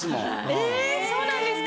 えそうなんですか？